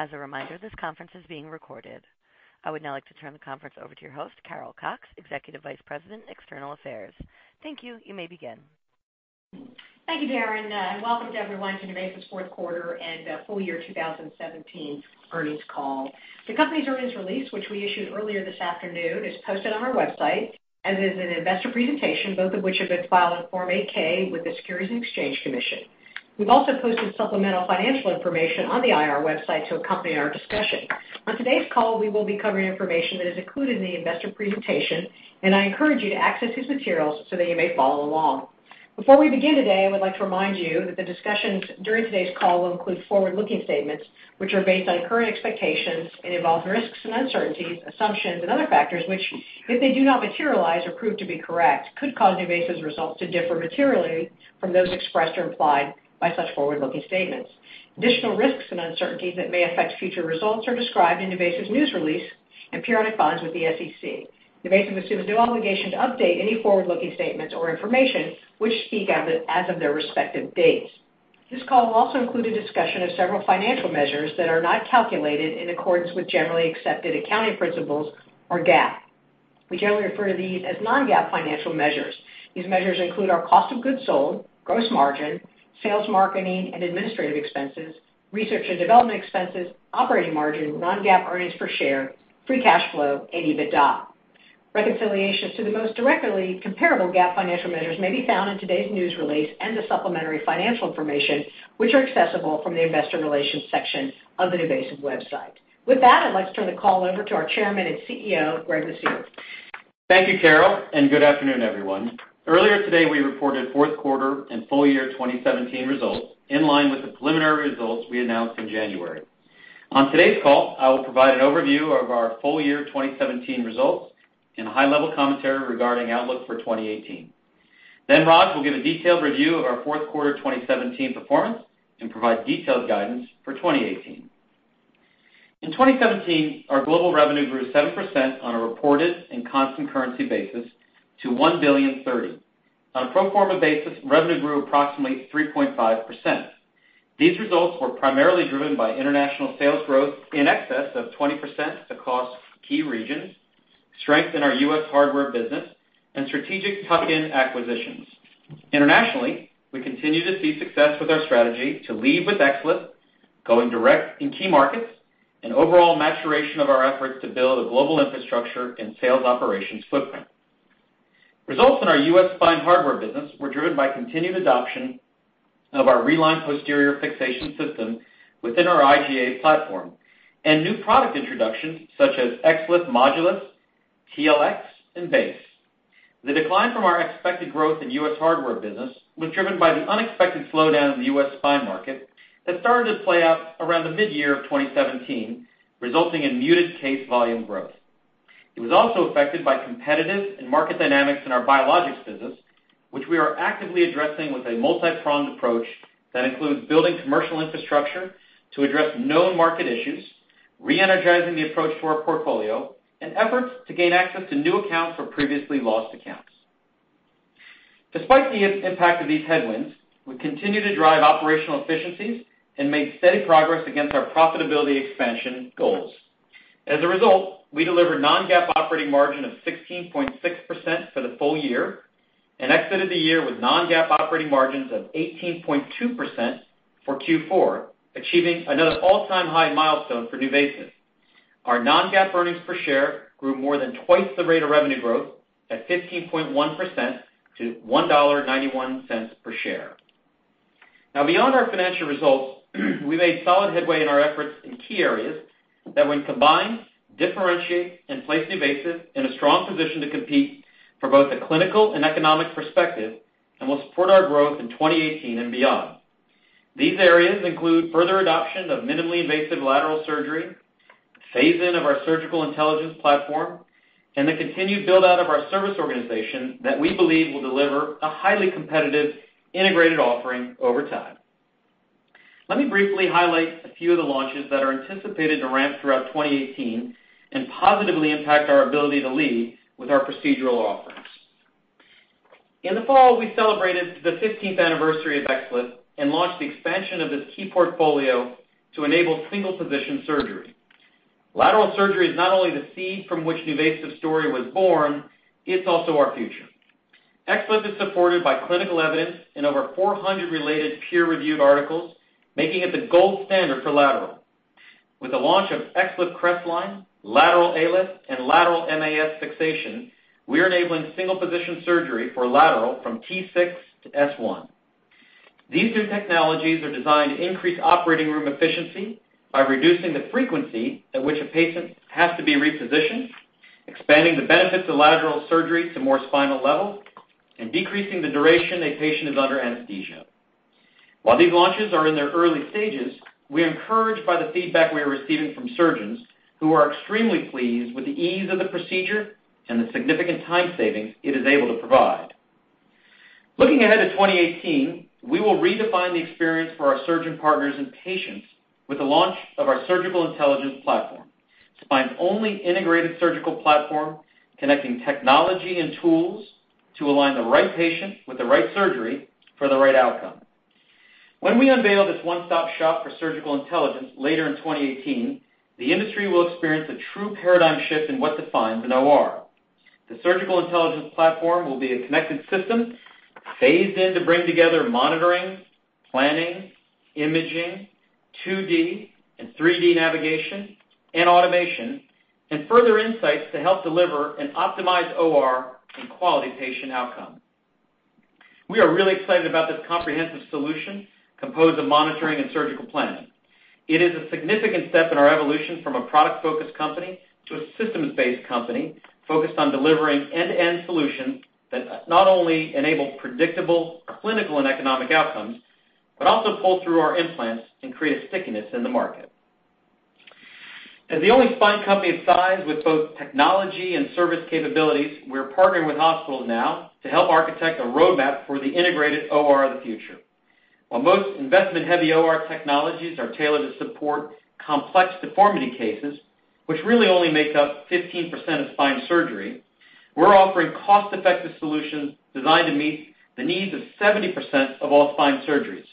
As a reminder, this conference is being recorded. I would now like to turn the conference over to your host, Carol Cox, Executive Vice President, External Affairs. Thank you. You may begin. Thank you, Karen. Welcome to everyone to NuVasive's fourth quarter and full year 2017 earnings call. The company's earnings release, which we issued earlier this afternoon, is posted on our website as is an investor presentation, both of which have been filed in Form 8-K with the Securities and Exchange Commission. We've also posted supplemental financial information on the IR website to accompany our discussion. On today's call, we will be covering information that is included in the investor presentation, and I encourage you to access these materials so that you may follow along. Before we begin today, I would like to remind you that the discussions during today's call will include forward-looking statements, which are based on current expectations and involve risks and uncertainties, assumptions, and other factors which, if they do not materialize or prove to be correct, could cause NuVasive's results to differ materially from those expressed or implied by such forward-looking statements. Additional risks and uncertainties that may affect future results are described in NuVasive's news release and periodic filings with the SEC. NuVasive assumes no obligation to update any forward-looking statements or information which speak as of their respective dates. This call will also include a discussion of several financial measures that are not calculated in accordance with generally accepted accounting principles or GAAP. We generally refer to these as non-GAAP financial measures. These measures include our cost of goods sold, gross margin, sales marketing and administrative expenses, research and development expenses, operating margin, non-GAAP earnings per share, free cash flow, and EBITDA. Reconciliations to the most directly comparable GAAP financial measures may be found in today's news release and the supplementary financial information, which are accessible from the investor relations section of the NuVasive website. With that, I'd like to turn the call over to our Chairman and CEO, Greg Lucier. Thank you, Carol, and good afternoon, everyone. Earlier today, we reported fourth quarter and full year 2017 results in line with the preliminary results we announced in January. On today's call, I will provide an overview of our full year 2017 results and a high-level commentary regarding outlook for 2018. Then Raj will give a detailed review of our fourth quarter 2017 performance and provide detailed guidance for 2018. In 2017, our global revenue grew 7% on a reported and constant currency basis to $1,030 million. On a pro forma basis, revenue grew approximately 3.5%. These results were primarily driven by international sales growth in excess of 20% across key regions, strength in our U.S. hardware business, and strategic tuck-in acquisitions. Internationally, we continue to see success with our strategy to lead with excellence, going direct in key markets, and overall maturation of our efforts to build a global infrastructure and sales operations footprint. Results in our U.S. spine hardware business were driven by continued adoption of our Reline posterior fixation system within our IGA platform and new product introductions such as XLIF, Modulus, TLX, and Base. The decline from our expected growth in U.S. hardware business was driven by the unexpected slowdown in the U.S. spine market that started to play out around the mid-year of 2017, resulting in muted case volume growth. It was also affected by competitive and market dynamics in our biologics business, which we are actively addressing with a multi-pronged approach that includes building commercial infrastructure to address known market issues, re-energizing the approach to our portfolio, and efforts to gain access to new accounts or previously lost accounts. Despite the impact of these headwinds, we continue to drive operational efficiencies and make steady progress against our profitability expansion goals. As a result, we delivered non-GAAP operating margin of 16.6% for the full year and exited the year with non-GAAP operating margins of 18.2% for Q4, achieving another all-time high milestone for NuVasive. Our non-GAAP earnings per share grew more than twice the rate of revenue growth at 15.1% to $1.91 per share. Now, beyond our financial results, we made solid headway in our efforts in key areas that, when combined, differentiate and place NuVasive in a strong position to compete from both a clinical and economic perspective and will support our growth in 2018 and beyond. These areas include further adoption of minimally invasive lateral surgery, phase-in of our Surgical Intelligence Platform, and the continued build-out of our service organization that we believe will deliver a highly competitive integrated offering over time. Let me briefly highlight a few of the launches that are anticipated to ramp throughout 2018 and positively impact our ability to lead with our procedural offerings. In the fall, we celebrated the 15th anniversary of XLIF and launched the expansion of this key portfolio to enable single-position surgery. Lateral surgery is not only the seed from which NuVasive's story was born, it's also our future. XLIF is supported by clinical evidence in over 400 related peer-reviewed articles, making it the gold standard for lateral. With the launch of XLIF Crestline, lateral ALIF, and lateral MIS fixation, we are enabling single-position surgery for lateral from T6 to S1. These new technologies are designed to increase operating room efficiency by reducing the frequency at which a patient has to be repositioned, expanding the benefits of lateral surgery to more spinal levels, and decreasing the duration a patient is under anesthesia. While these launches are in their early stages, we are encouraged by the feedback we are receiving from surgeons who are extremely pleased with the ease of the procedure and the significant time savings it is able to provide. Looking ahead to 2018, we will redefine the experience for our surgeon partners and patients with the launch of our Surgical Intelligence Platform, spine's only integrated surgical platform connecting technology and tools to align the right patient with the right surgery for the right outcome. When we unveil this one-stop shop for surgical intelligence later in 2018, the industry will experience a true paradigm shift in what defines an OR. The Surgical Intelligence Platform will be a connected system phased in to bring together monitoring, planning, imaging, 2D and 3D navigation, and automation, and further insights to help deliver an optimized OR and quality patient outcome. We are really excited about this comprehensive solution composed of monitoring and surgical planning. It is a significant step in our evolution from a product-focused company to a systems-based company focused on delivering end-to-end solutions that not only enable predictable clinical and economic outcomes but also pull through our implants and create a stickiness in the market. As the only spine company of size with both technology and service capabilities, we're partnering with hospitals now to help architect a roadmap for the integrated OR of the future. While most investment-heavy OR technologies are tailored to support complex deformity cases, which really only make up 15% of spine surgery, we're offering cost-effective solutions designed to meet the needs of 70% of all spine surgeries,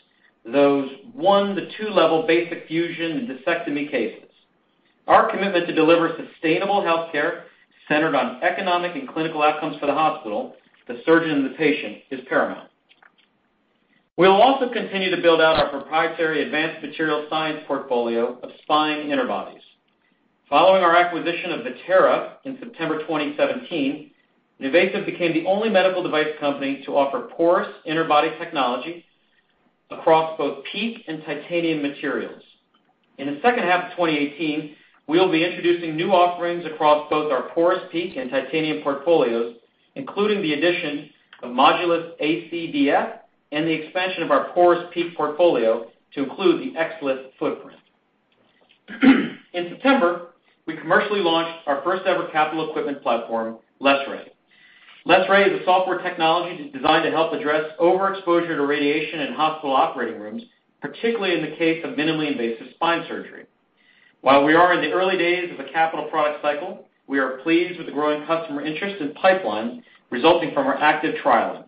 those one to two-level basic fusion and discectomy cases. Our commitment to deliver sustainable healthcare centered on economic and clinical outcomes for the hospital, the surgeon, and the patient is paramount. We'll also continue to build out our proprietary advanced material science portfolio of spine interbodies. Following our acquisition of Vertera in September 2017, NuVasive became the only medical device company to offer porous interbody technology across both PEEK and titanium materials. In the second half of 2018, we'll be introducing new offerings across both our porous PEEK and titanium portfolios, including the addition of Modulus ACDF and the expansion of our porous PEEK portfolio to include the XLIF footprint. In September, we commercially launched our first-ever capital equipment platform, LessRay. LessRay is a software technology designed to help address overexposure to radiation in hospital operating rooms, particularly in the case of minimally invasive spine surgery. While we are in the early days of a capital product cycle, we are pleased with the growing customer interest and pipeline resulting from our active trialing.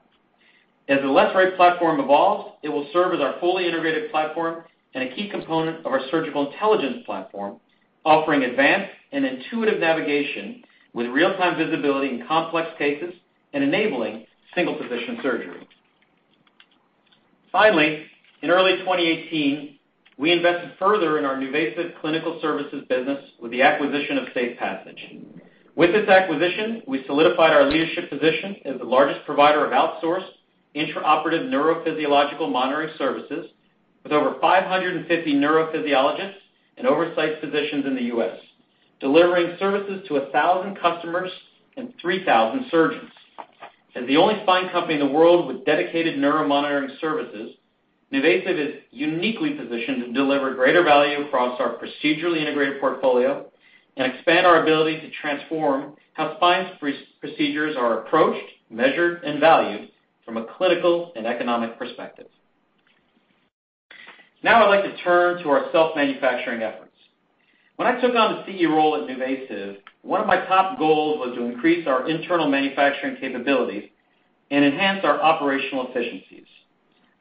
As the LessRay platform evolves, it will serve as our fully integrated platform and a key component of our surgical intelligence platform, offering advanced and intuitive navigation with real-time visibility in complex cases and enabling single-position surgery. Finally, in early 2018, we invested further in our NuVasive Clinical Services business with the acquisition of SafePassage. With this acquisition, we solidified our leadership position as the largest provider of outsourced intraoperative neurophysiological monitoring services with over 550 neurophysiologists and oversight physicians in the U.S., delivering services to 1,000 customers and 3,000 surgeons. As the only spine company in the world with dedicated neuromonitoring services, NuVasive is uniquely positioned to deliver greater value across our procedurally integrated portfolio and expand our ability to transform how spine procedures are approached, measured, and valued from a clinical and economic perspective. Now, I'd like to turn to our self-manufacturing efforts. When I took on the CEO role at NuVasive, one of my top goals was to increase our internal manufacturing capabilities and enhance our operational efficiencies.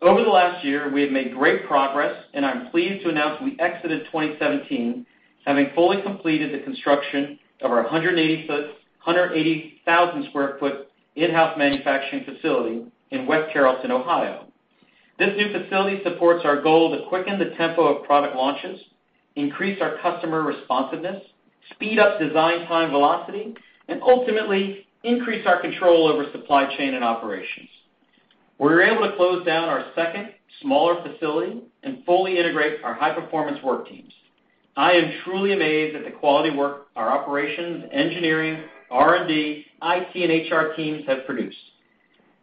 Over the last year, we have made great progress, and I'm pleased to announce we exited 2017, having fully completed the construction of our 180,000 sq ft in-house manufacturing facility in West Carrollton, Ohio. This new facility supports our goal to quicken the tempo of product launches, increase our customer responsiveness, speed up design time velocity, and ultimately increase our control over supply chain and operations. We're able to close down our second smaller facility and fully integrate our high-performance work teams. I am truly amazed at the quality work our operations, engineering, R&D, IT, and HR teams have produced.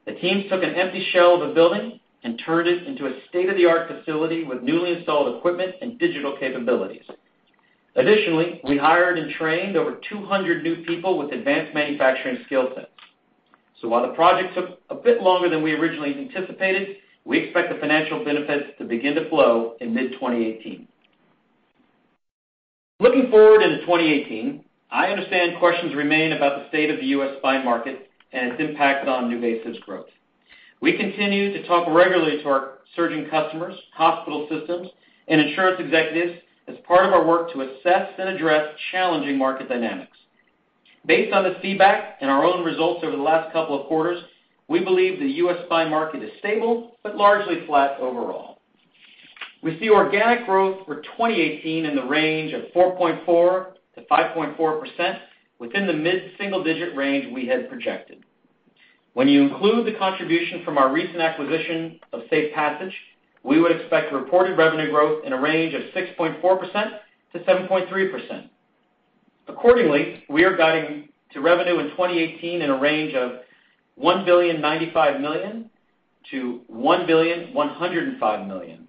The teams took an empty shell of a building and turned it into a state-of-the-art facility with newly installed equipment and digital capabilities. Additionally, we hired and trained over 200 new people with advanced manufacturing skill sets. While the project took a bit longer than we originally anticipated, we expect the financial benefits to begin to flow in mid-2018. Looking forward into 2018, I understand questions remain about the state of the U.S. spine market and its impact on NuVasive's growth. We continue to talk regularly to our surging customers, hospital systems, and insurance executives as part of our work to assess and address challenging market dynamics. Based on this feedback and our own results over the last couple of quarters, we believe the U.S. spine market is stable but largely flat overall. We see organic growth for 2018 in the range of 4.4%-5.4% within the mid-single-digit range we had projected. When you include the contribution from our recent acquisition of SafePassage, we would expect reported revenue growth in a range of 6.4%-7.3%. Accordingly, we are guiding to revenue in 2018 in a range of $1,095 million-$1,105 million.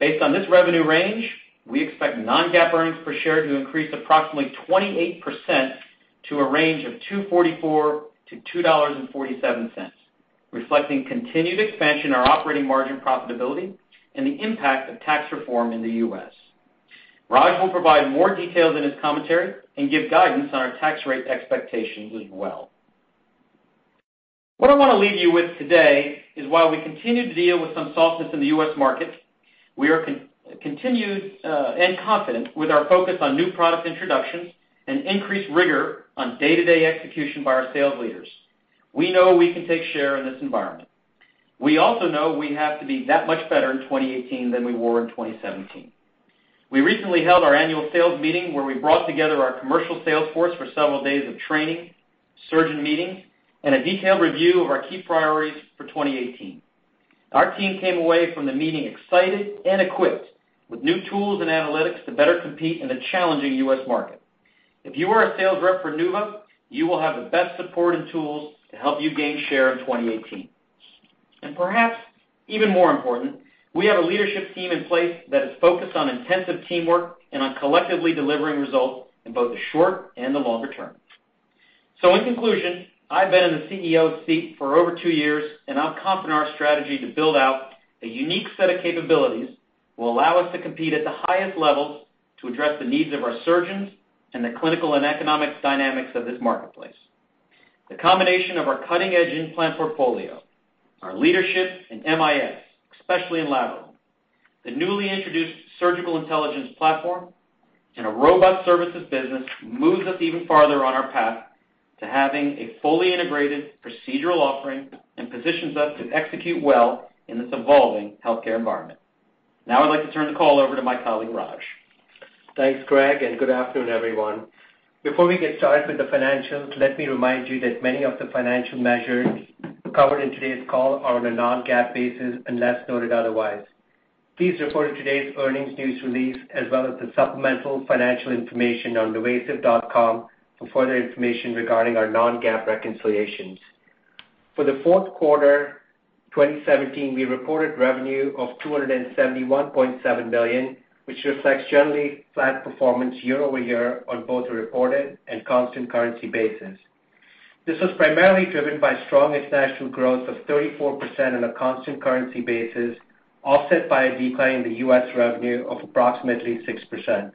Based on this revenue range, we expect non-GAAP earnings per share to increase approximately 28% to a range of $2.44-$2.47, reflecting continued expansion in our operating margin profitability and the impact of tax reform in the U.S. Raj will provide more details in his commentary and give guidance on our tax rate expectations as well. What I want to leave you with today is, while we continue to deal with some softness in the U.S. market, we are continued and confident with our focus on new product introductions and increased rigor on day-to-day execution by our sales leaders. We know we can take share in this environment. We also know we have to be that much better in 2018 than we were in 2017. We recently held our annual sales meeting where we brought together our commercial sales force for several days of training, surgeon meetings, and a detailed review of our key priorities for 2018. Our team came away from the meeting excited and equipped with new tools and analytics to better compete in the challenging U.S. market. If you are a sales rep for NuVasive, you will have the best support and tools to help you gain share in 2018. Perhaps even more important, we have a leadership team in place that is focused on intensive teamwork and on collectively delivering results in both the short and the longer term. In conclusion, I've been in the CEO seat for over two years, and I'm confident our strategy to build out a unique set of capabilities will allow us to compete at the highest levels to address the needs of our surgeons and the clinical and economic dynamics of this marketplace. The combination of our cutting-edge implant portfolio, our leadership in MIS, especially in lateral, the newly introduced Surgical Intelligence Platform, and a robust services business moves us even farther on our path to having a fully integrated procedural offering and positions us to execute well in this evolving healthcare environment. Now, I'd like to turn the call over to my colleague, Raj. Thanks, Greg, and good afternoon, everyone. Before we get started with the financials, let me remind you that many of the financial measures covered in today's call are on a non-GAAP basis unless noted otherwise. Please refer to today's earnings news release as well as the supplemental financial information on nuvasive.com for further information regarding our non-GAAP reconciliations. For the fourth quarter 2017, we reported revenue of $271.7 million, which reflects generally flat performance year-over-year on both a reported and constant currency basis. This was primarily driven by strong international growth of 34% on a constant currency basis, offset by a decline in the U.S. revenue of approximately 6%.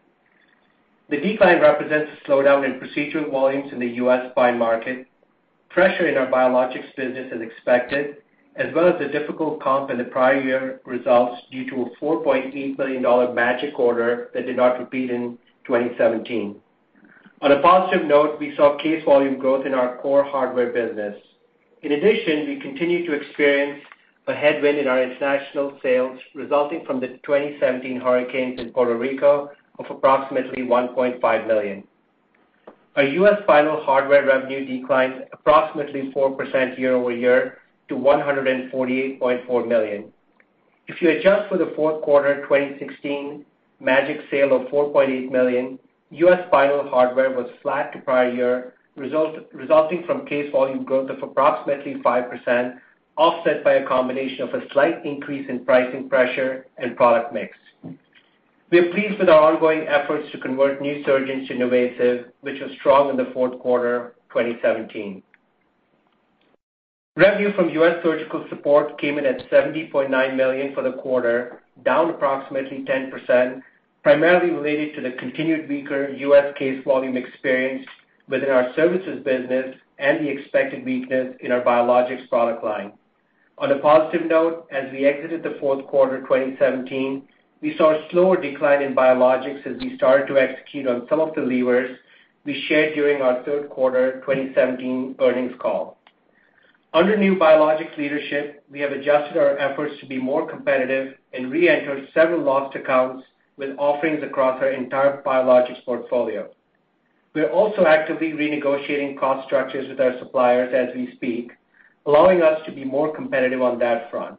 The decline represents a slowdown in procedural volumes in the US spine market, pressure in our biologics business, as expected, as well as the difficult comp in the prior year results due to a $4.8 million magic order that did not repeat in 2017. On a positive note, we saw case volume growth in our core hardware business. In addition, we continue to experience a headwind in our international sales resulting from the 2017 hurricanes in Puerto Rico of approximately $1.5 million. Our U.S. spinal hardware revenue declined approximately 4% year over year to $148.4 million. If you adjust for the fourth quarter 2016 magic sale of $4.8 million, U.S. spinal hardware was flat to prior year, resulting from case volume growth of approximately 5%, offset by a combination of a slight increase in pricing pressure and product mix. We are pleased with our ongoing efforts to convert new surgeons to NuVasive, which was strong in the fourth quarter 2017. Revenue from U.S. surgical support came in at $70.9 million for the quarter, down approximately 10%, primarily related to the continued weaker U.S. case volume experienced within our services business and the expected weakness in our biologics product line. On a positive note, as we exited the fourth quarter 2017, we saw a slower decline in biologics as we started to execute on some of the levers we shared during our third quarter 2017 earnings call. Under new biologics leadership, we have adjusted our efforts to be more competitive and re-entered several lost accounts with offerings across our entire biologics portfolio. We're also actively renegotiating cost structures with our suppliers as we speak, allowing us to be more competitive on that front.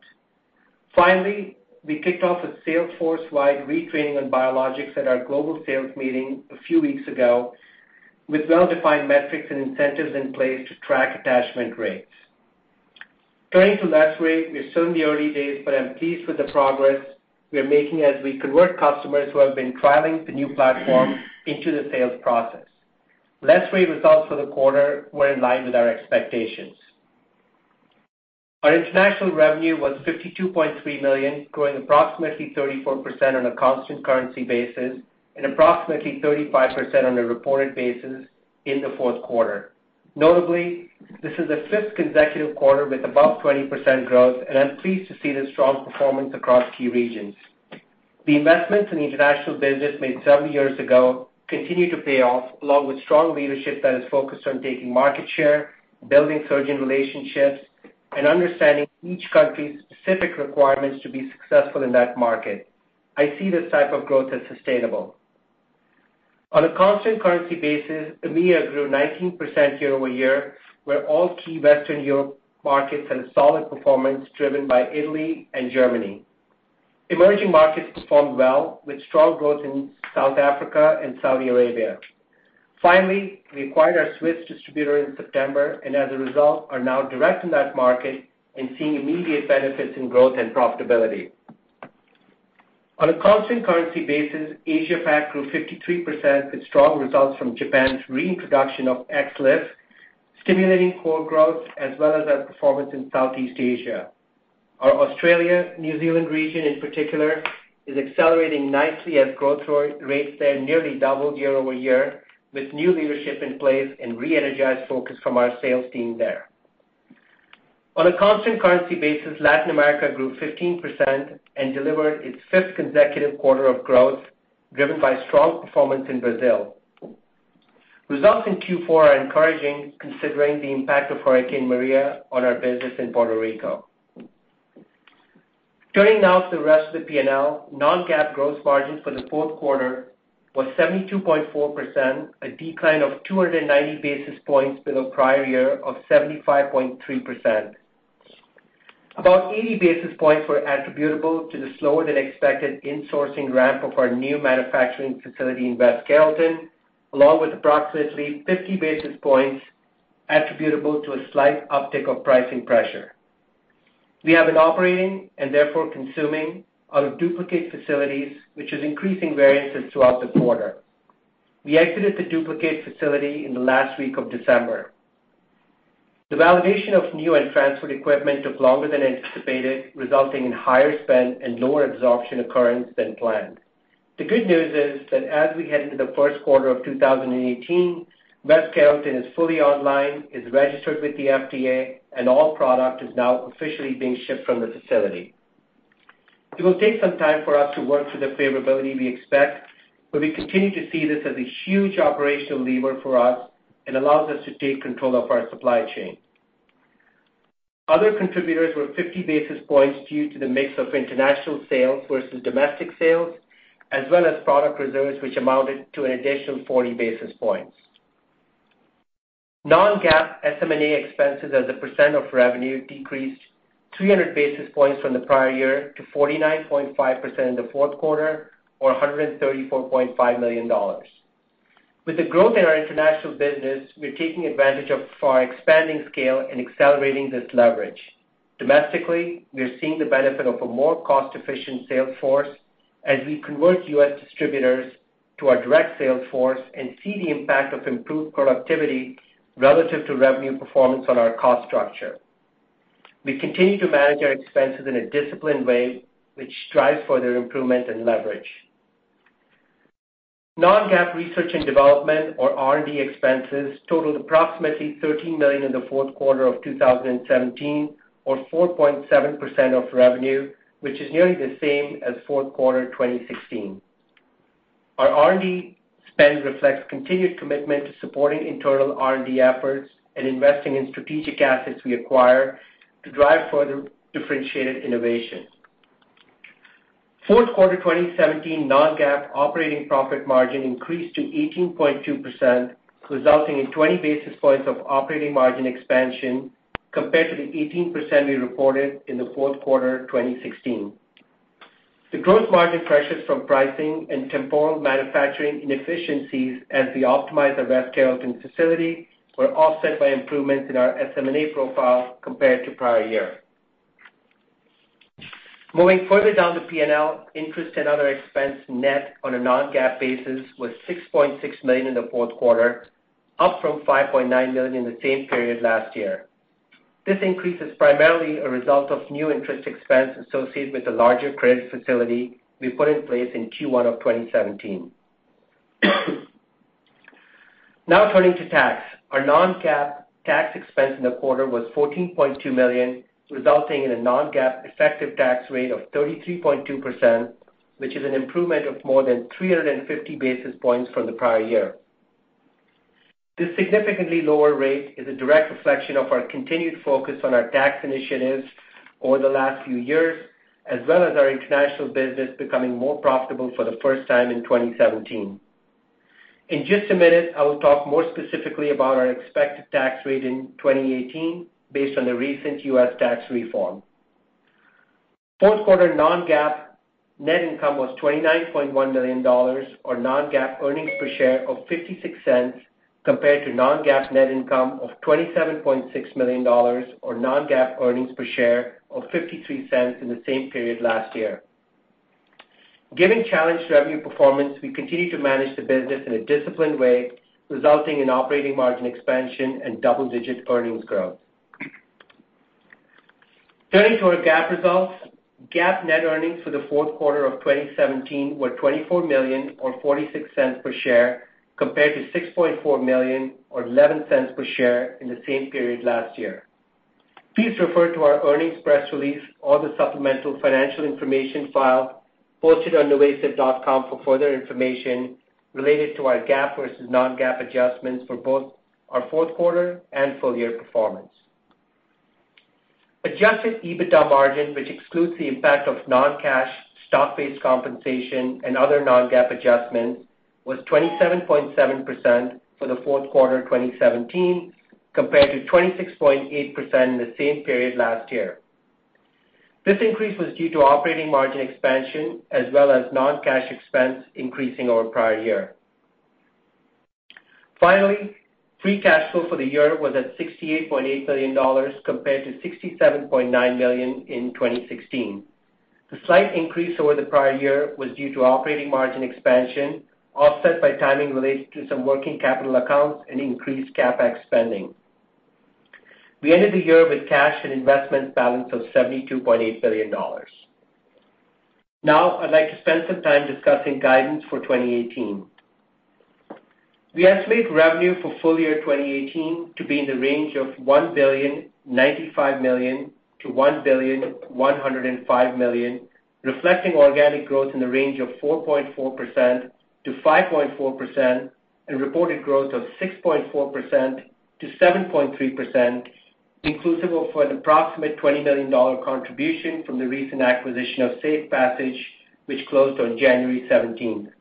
Finally, we kicked off a sales force-wide retraining on biologics at our global sales meeting a few weeks ago with well-defined metrics and incentives in place to track attachment rates. Turning to LessRay, we're still in the early days, but I'm pleased with the progress we are making as we convert customers who have been trialing the new platform into the sales process. LessRay results for the quarter were in line with our expectations. Our international revenue was $52.3 million, growing approximately 34% on a constant currency basis and approximately 35% on a reported basis in the fourth quarter. Notably, this is the fifth consecutive quarter with above 20% growth, and I'm pleased to see the strong performance across key regions. The investments in international business made several years ago continue to pay off, along with strong leadership that is focused on taking market share, building surgeon relationships, and understanding each country's specific requirements to be successful in that market. I see this type of growth as sustainable. On a constant currency basis, EMEA grew 19% year-over-year, where all key Western Europe markets had a solid performance driven by Italy and Germany. Emerging markets performed well with strong growth in South Africa and Saudi Arabia. Finally, we acquired our Swiss distributor in September, and as a result, are now direct in that market and seeing immediate benefits in growth and profitability. On a constant currency basis, Asia PAC grew 53% with strong results from Japan's reintroduction of XLIF, stimulating core growth as well as our performance in Southeast Asia. Our Australia, New Zealand region in particular, is accelerating nicely as growth rates there nearly doubled year-over-year with new leadership in place and re-energized focus from our sales team there. On a constant currency basis, Latin America grew 15% and delivered its fifth consecutive quarter of growth, driven by strong performance in Brazil. Results in Q4 are encouraging considering the impact of Hurricane Maria on our business in Puerto Rico. Turning now to the rest of the P&L, non-GAAP gross margin for the fourth quarter was 72.4%, a decline of 290 basis points below prior year of 75.3%. About 80 basis points were attributable to the slower than expected insourcing ramp of our new manufacturing facility in West Carrollton, along with approximately 50 basis points attributable to a slight uptick of pricing pressure. We have an operating and therefore consuming our duplicate facilities, which is increasing variances throughout the quarter. We exited the duplicate facility in the last week of December. The validation of new and transferred equipment took longer than anticipated, resulting in higher spend and lower absorption occurrence than planned. The good news is that as we head into the first quarter of 2018, West Carrollton is fully online, is registered with the FDA, and all product is now officially being shipped from the facility. It will take some time for us to work through the favorability we expect, but we continue to see this as a huge operational lever for us and allows us to take control of our supply chain. Other contributors were 50 basis points due to the mix of international sales versus domestic sales, as well as product reserves, which amounted to an additional 40 basis points. Non-GAAP SM&A expenses as a pecent of revenue decreased 300 basis points from the prior year to 49.5% in the fourth quarter, or $134.5 million. With the growth in our international business, we're taking advantage of our expanding scale and accelerating this leverage. Domestically, we're seeing the benefit of a more cost-efficient sales force as we convert U.S. distributors to our direct sales force and see the impact of improved productivity relative to revenue performance on our cost structure. We continue to manage our expenses in a disciplined way, which drives further improvement and leverage. Non-GAAP research and development, or R&D expenses, totaled approximately $13 million in the fourth quarter of 2017, or 4.7% of revenue, which is nearly the same as fourth quarter 2016. Our R&D spend reflects continued commitment to supporting internal R&D efforts and investing in strategic assets we acquire to drive further differentiated innovation. Fourth quarter 2017 non-GAAP operating profit margin increased to 18.2%, resulting in 20 basis points of operating margin expansion compared to the 18% we reported in the fourth quarter 2016. The gross margin pressures from pricing and temporal manufacturing inefficiencies as we optimize our West Carrollton facility were offset by improvements in our SM&A profile compared to prior year. Moving further down the P&L, interest and other expense net on a non-GAAP basis was $6.6 million in the fourth quarter, up from $5.9 million in the same period last year. This increase is primarily a result of new interest expense associated with the larger credit facility we put in place in Q1 of 2017. Now turning to tax, our non-GAAP tax expense in the quarter was $14.2 million, resulting in a non-GAAP effective tax rate of 33.2%, which is an improvement of more than 350 basis points from the prior year. This significantly lower rate is a direct reflection of our continued focus on our tax initiatives over the last few years, as well as our international business becoming more profitable for the first time in 2017. In just a minute, I will talk more specifically about our expected tax rate in 2018 based on the recent U.S. tax reform. Fourth quarter non-GAAP net income was $29.1 million, or non-GAAP earnings per share of $0.56, compared to non-GAAP net income of $27.6 million, or non-GAAP earnings per share of $0.53 in the same period last year. Given challenged revenue performance, we continue to manage the business in a disciplined way, resulting in operating margin expansion and double-digit earnings growth. Turning to our GAAP results, GAAP net earnings for the fourth quarter of 2017 were $24 million, or $0.46 per share, compared to $6.4 million, or $0.11 per share in the same period last year. Please refer to our earnings press release or the supplemental financial information file posted on nuvasive.com for further information related to our GAAP versus non-GAAP adjustments for both our fourth quarter and full year performance. Adjusted EBITDA margin, which excludes the impact of non-cash stock-based compensation and other non-GAAP adjustments, was 27.7% for the fourth quarter 2017, compared to 26.8% in the same period last year. This increase was due to operating margin expansion as well as non-cash expense increasing over prior year. Finally, free cash flow for the year was at $68.8 million compared to $67.9 million in 2016. The slight increase over the prior year was due to operating margin expansion, offset by timing related to some working capital accounts and increased CapEx spending. We ended the year with cash and investments balance of $72.8 million. Now, I'd like to spend some time discussing guidance for 2018. We estimate revenue for full year 2018 to be in the range of $1.095 million-$1.105 million, reflecting organic growth in the range of 4.4%-5.4% and reported growth of 6.4%-7.3%, inclusive of an approximate $20 million contribution from the recent acquisition of SafePassage, which closed on January 17th.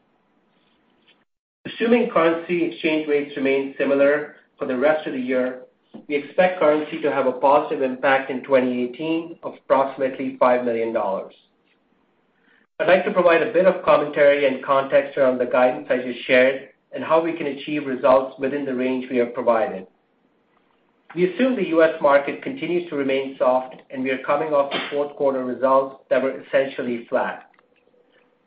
Assuming currency exchange rates remain similar for the rest of the year, we expect currency to have a positive impact in 2018 of approximately $5 million. I'd like to provide a bit of commentary and context around the guidance I just shared and how we can achieve results within the range we have provided. We assume the U.S. market continues to remain soft, and we are coming off the fourth quarter results that were essentially flat.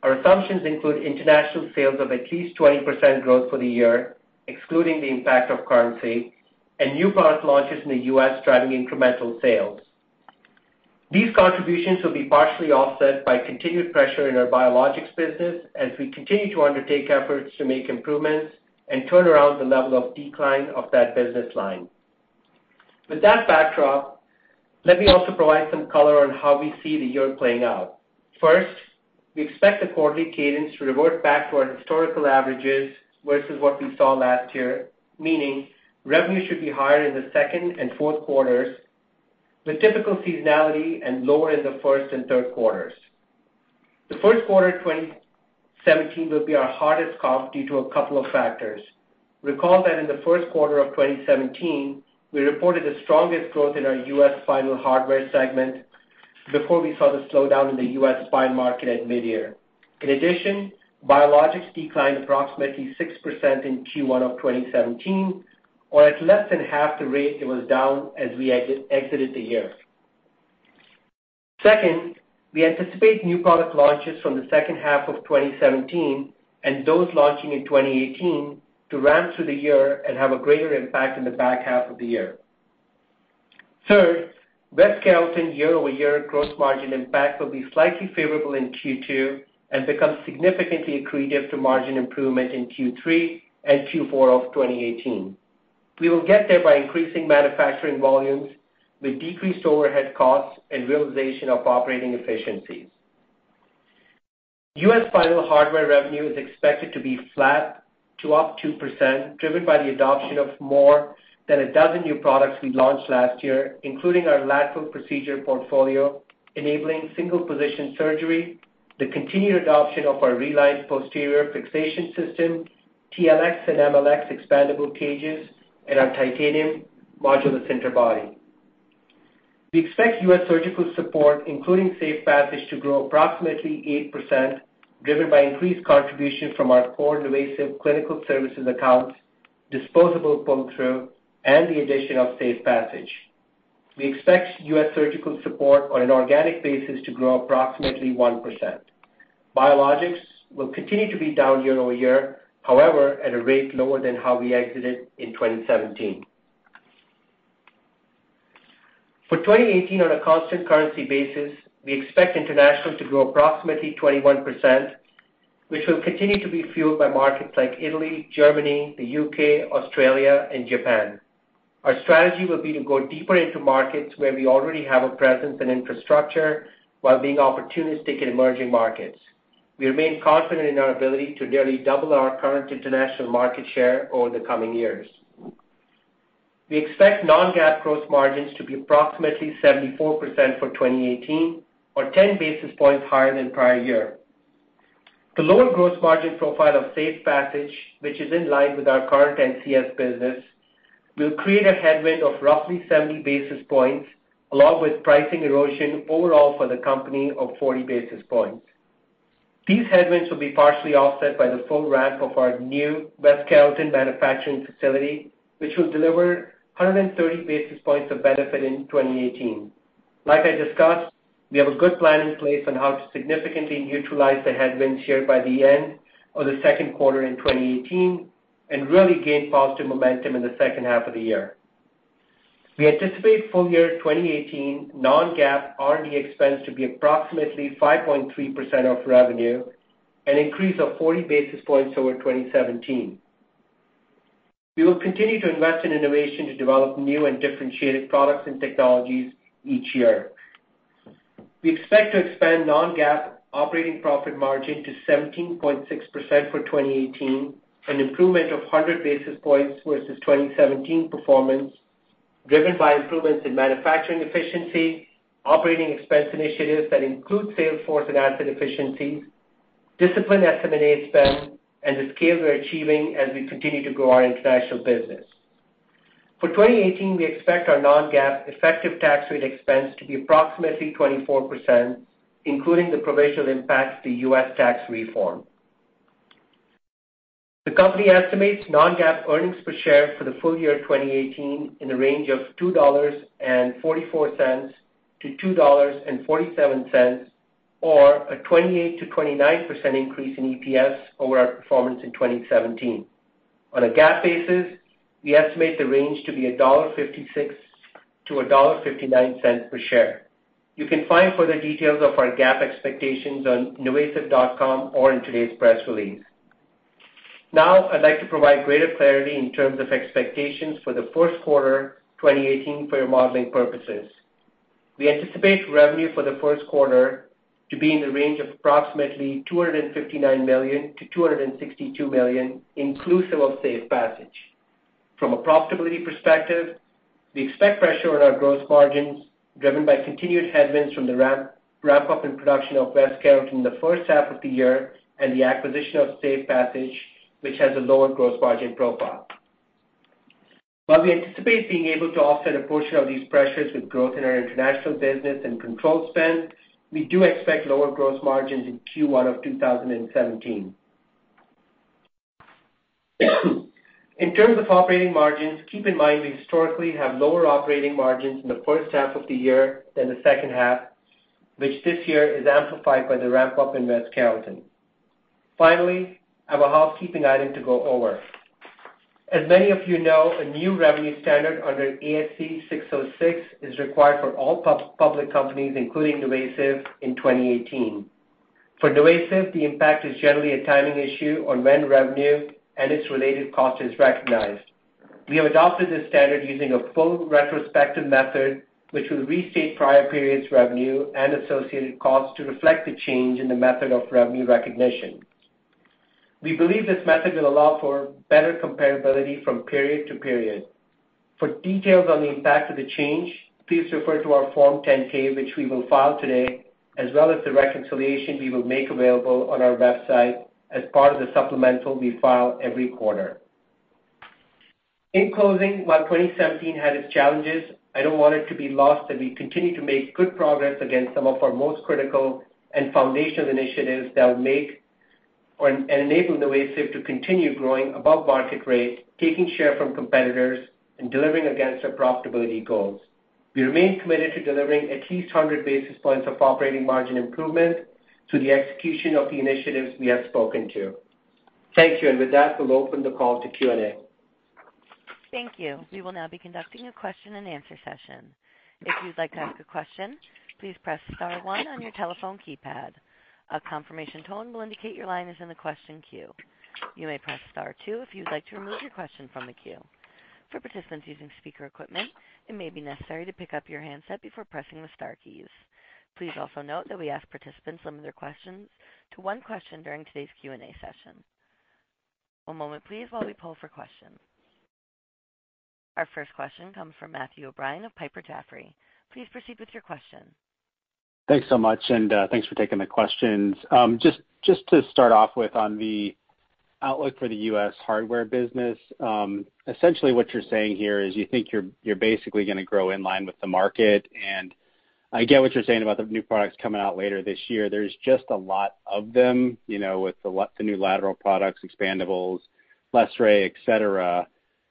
Our assumptions include international sales of at least 20% growth for the year, excluding the impact of currency, and new product launches in the U.S. driving incremental sales. These contributions will be partially offset by continued pressure in our biologics business as we continue to undertake efforts to make improvements and turn around the level of decline of that business line. With that backdrop, let me also provide some color on how we see the year playing out. First, we expect the quarterly cadence to revert back to our historical averages versus what we saw last year, meaning revenue should be higher in the second and fourth quarters, with typical seasonality and lower in the first and third quarters. The first quarter of 2017 will be our hardest cut due to a couple of factors. Recall that in the first quarter of 2017, we reported the strongest growth in our U.S. spinal hardware segment before we saw the slowdown in the U.S. spine market at mid-year. In addition, biologics declined approximately 6% in Q1 of 2017, or at less than half the rate it was down as we exited the year. Second, we anticipate new product launches from the second half of 2017 and those launching in 2018 to ramp through the year and have a greater impact in the back half of the year. Third, West Carrollton year-over-year gross margin impact will be slightly favorable in Q2 and become significantly accretive to margin improvement in Q3 and Q4 of 2018. We will get there by increasing manufacturing volumes with decreased overhead costs and realization of operating efficiencies. U.S. spinal hardware revenue is expected to be flat to up 2%, driven by the adoption of more than a dozen new products we launched last year, including our lateral procedure portfolio enabling single-position surgery, the continued adoption of our Reline posterior fixation system, TLX and MLX expandable cages, and our titanium modular center body. We expect U.S. surgical support, including SafePassage, to grow approximately 8%, driven by increased contribution from our core NuVasive Clinical Services accounts, disposable pull-through, and the addition of SafePassage. We expect U.S. surgical support on an organic basis to grow approximately 1%. Biologics will continue to be down year-over-year, however, at a rate lower than how we exited in 2017. For 2018, on a constant currency basis, we expect international to grow approximately 21%, which will continue to be fueled by markets like Italy, Germany, the U.K., Australia, and Japan. Our strategy will be to go deeper into markets where we already have a presence and infrastructure while being opportunistic in emerging markets. We remain confident in our ability to nearly double our current international market share over the coming years. We expect non-GAAP gross margins to be approximately 74% for 2018, or 10 basis points higher than prior year. The lower gross margin profile of SafePassage, which is in line with our current NCS business, will create a headwind of roughly 70 basis points, along with pricing erosion overall for the company of 40 basis points. These headwinds will be partially offset by the full ramp of our new West Carrollton manufacturing facility, which will deliver 130 basis points of benefit in 2018. Like I discussed, we have a good plan in place on how to significantly neutralize the headwinds here by the end of the second quarter in 2018 and really gain positive momentum in the second half of the year. We anticipate full year 2018 non-GAAP R&D expense to be approximately 5.3% of revenue, an increase of 40 basis points over 2017. We will continue to invest in innovation to develop new and differentiated products and technologies each year. We expect to expand non-GAAP operating profit margin to 17.6% for 2018, an improvement of 100 basis points versus 2017 performance, driven by improvements in manufacturing efficiency, operating expense initiatives that include sales force and asset efficiencies, disciplined SM&A spend, and the scale we're achieving as we continue to grow our international business. For 2018, we expect our non-GAAP effective tax rate expense to be approximately 24%, including the provisional impact of the U.S. tax reform. The company estimates non-GAAP earnings per share for the full year 2018 in the range of $2.44-$2.47, or a 28%-29% increase in EPS over our performance in 2017. On a GAAP basis, we estimate the range to be $1.56-$1.59 per share. You can find further details of our GAAP expectations on NuVasive.com or in today's press release. Now, I'd like to provide greater clarity in terms of expectations for the fourth quarter 2018 for your modeling purposes. We anticipate revenue for the first quarter to be in the range of approximately $259 million-$262 million, inclusive of SafePassage. From a profitability perspective, we expect pressure on our gross margins, driven by continued headwinds from the ramp-up in production of West Carrollton in the first half of the year and the acquisition of SafePassage, which has a lower gross margin profile. While we anticipate being able to offset a portion of these pressures with growth in our international business and control spend, we do expect lower gross margins in Q1 of 2017. In terms of operating margins, keep in mind we historically have lower operating margins in the first half of the year than the second half, which this year is amplified by the ramp-up in West Carrollton. Finally, I have a housekeeping item to go over. As many of you know, a new revenue standard under ASC 606 is required for all public companies, including NuVasive, in 2018. For NuVasive, the impact is generally a timing issue on when revenue and its related cost is recognized. We have adopted this standard using a full retrospective method, which will restate prior periods' revenue and associated costs to reflect the change in the method of revenue recognition. We believe this method will allow for better comparability from period to period. For details on the impact of the change, please refer to our Form 10-K, which we will file today, as well as the reconciliation we will make available on our website as part of the supplemental we file every quarter. In closing, while 2017 had its challenges, I don't want it to be lost that we continue to make good progress against some of our most critical and foundational initiatives that will make and enable NuVasive to continue growing above market rate, taking share from competitors, and delivering against our profitability goals. We remain committed to delivering at least 100 basis points of operating margin improvement through the execution of the initiatives we have spoken to. Thank you, and with that, we'll open the call to Q&A. Thank you. We will now be conducting a question-and-answer session. If you'd like to ask a question, please press star one on your telephone keypad. A confirmation tone will indicate your line is in the question queue. You may press star two if you'd like to remove your question from the queue. For participants using speaker equipment, it may be necessary to pick up your handset before pressing the star keys. Please also note that we ask participants to limit their questions to one question during today's Q&A session. One moment, please, while we pull for questions. Our first question comes from Matthew O'Brien of Piper Jaffray. Please proceed with your question. Thanks so much, and thanks for taking the questions. Just to start off with, on the outlook for the U.S. hardware business, essentially what you're saying here is you think you're basically going to grow in line with the market, and I get what you're saying about the new products coming out later this year. There's just a lot of them with the new lateral products, expandables, LessRay, etc.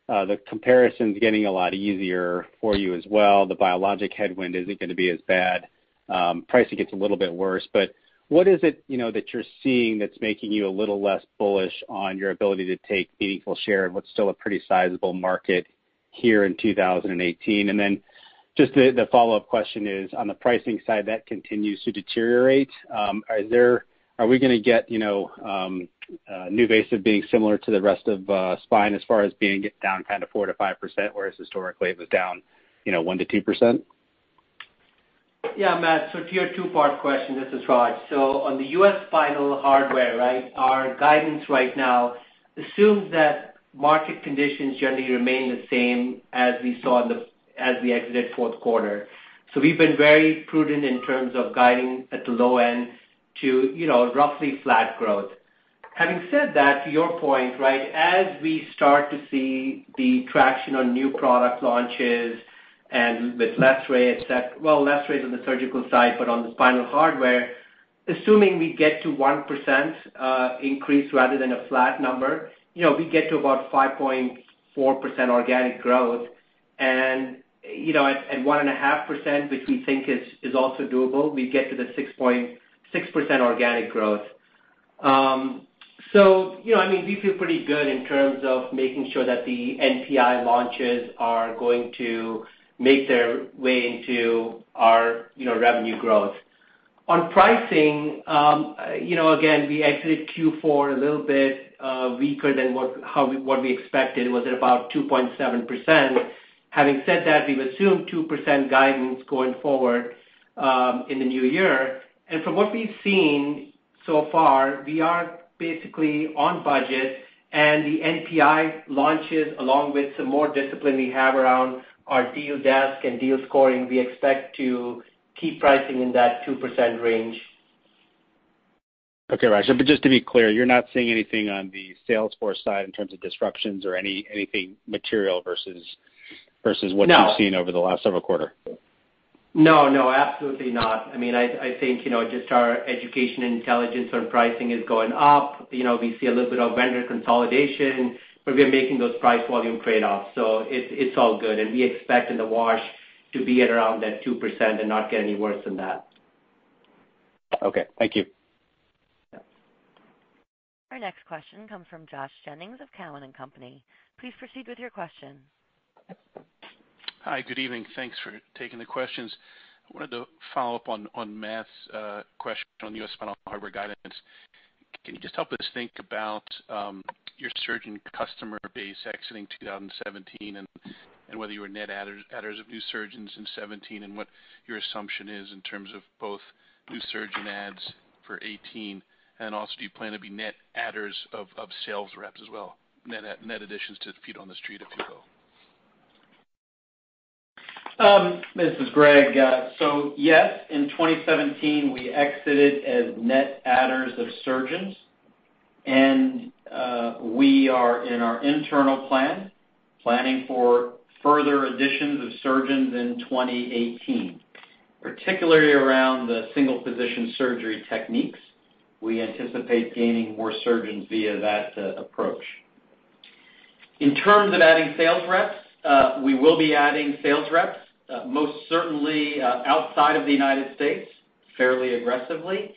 The comparison's getting a lot easier for you as well. The biologic headwind isn't going to be as bad. Pricing gets a little bit worse. What is it that you're seeing that's making you a little less bullish on your ability to take meaningful share in what's still a pretty sizable market here in 2018? The follow-up question is, on the pricing side, that continues to deteriorate. Are we going to get NuVasive being similar to the rest of spine as far as being down kind of 4%-5%, whereas historically it was down 1%-2%? Yeah, Matt. So to your two-part question, this is Raj. So on the U.S. spinal hardware, right, our guidance right now assumes that market conditions generally remain the same as we saw as we exited fourth quarter. We've been very prudent in terms of guiding at the low end to roughly flat growth. Having said that, to your point, as we start to see the traction on new product launches and with LessRay, etc., LessRay's on the surgical side, but on the spinal hardware, assuming we get to 1% increase rather than a flat number, we get to about 5.4% organic growth. At 1.5%, which we think is also doable, we get to the 6% organic growth. I mean, we feel pretty good in terms of making sure that the NPI launches are going to make their way into our revenue growth. On pricing, again, we exited Q4 a little bit weaker than what we expected, was at about 2.7%. Having said that, we've assumed 2% guidance going forward in the new year. From what we've seen so far, we are basically on budget, and the NPI launches, along with some more discipline we have around our deal desk and deal scoring, we expect to keep pricing in that 2% range. Okay, Raj. Just to be clear, you're not seeing anything on the sales force side in terms of disruptions or anything material versus what you've seen over the last several quarters? No, no, absolutely not. I mean, I think just our education intelligence on pricing is going up. We see a little bit of vendor consolidation, but we are making those price volume trade-offs. It is all good, and we expect in the wash to be at around that 2% and not get any worse than that. Okay. Thank you. Our next question comes from Joshua Jennings of Cowen company. Please proceed with your question. Hi, good evening. Thanks for taking the questions. I wanted to follow up on Matt's question on U.S. spinal hardware guidance. Can you just help us think about your surgeon customer base exiting 2017 and whether you were net adders of new surgeons in 2017 and what your assumption is in terms of both new surgeon adds for 2018? Also, do you plan to be net adders of sales reps as well, net additions to feet on the street if you will? This is Greg. Yes, in 2017, we exited as net adders of surgeons, and we are in our internal plan planning for further additions of surgeons in 2018, particularly around the single-position surgery techniques. We anticipate gaining more surgeons via that approach. In terms of adding sales reps, we will be adding sales reps, most certainly outside of the United States, fairly aggressively.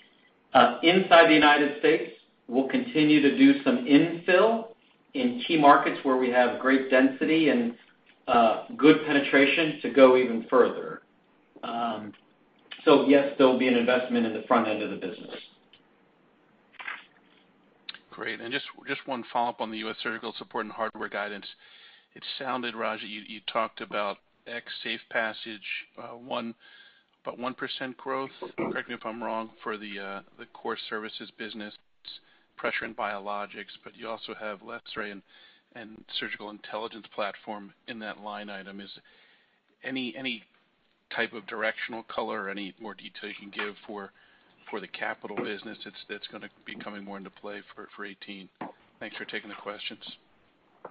Inside the United States, we'll continue to do some infill in key markets where we have great density and good penetration to go even further. Yes, there'll be an investment in the front end of the business. Great. Just one follow-up on the U.S. surgical support and hardware guidance. It sounded, Raj, you talked about X SafePassage, about 1% growth. Correct me if I'm wrong, for the core services business, pressure in biologics, but you also have LessRay and Surgical Intelligence Platform in that line item. Is there any type of directional color or any more detail you can give for the capital business that's going to be coming more into play for 2018? Thanks for taking the questions.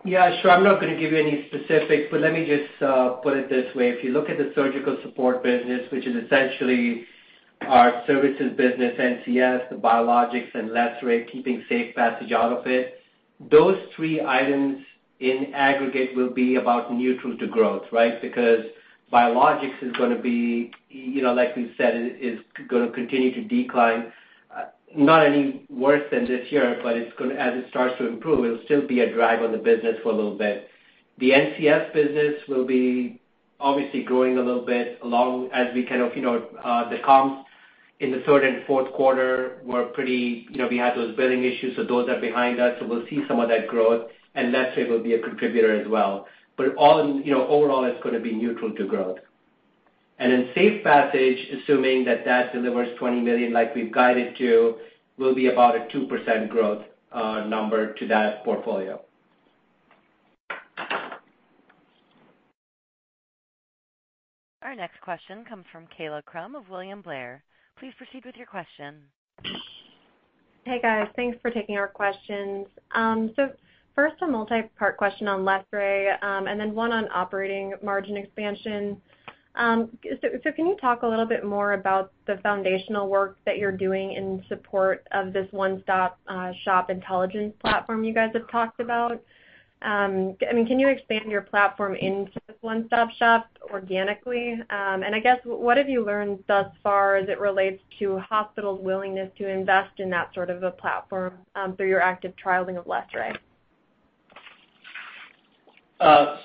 Yeah, sure. I'm not going to give you any specifics, but let me just put it this way. If you look at the surgical support business, which is essentially our services business, NCS, the biologics, and LessRay, keeping SafePassage out of it, those three items in aggregate will be about neutral to growth, right? Because biologics is going to be, like we've said, is going to continue to decline, not any worse than this year, but as it starts to improve, it'll still be a drag on the business for a little bit. The NCS business will be obviously growing a little bit along as we kind of the comms in the third and fourth quarter were pretty, we had those billing issues, so those are behind us, so we'll see some of that growth, and LessRay will be a contributor as well. Overall, it's going to be neutral to growth. SafePassage, assuming that that delivers $20 million like we've guided to, will be about a 2% growth number to that portfolio. Our next question comes from Kaila Krum of William Blair. Please proceed with your question. Hey, guys. Thanks for taking our questions. First, a multi-part question on LessRay and then one on operating margin expansion. Can you talk a little bit more about the foundational work that you're doing in support of this One Stop Shop intelligence platform you guys have talked about? I mean, can you expand your platform into the One Stop Shop organically? I guess, what have you learned thus far as it relates to hospitals' willingness to invest in that sort of a platform through your active trialing of LessRay?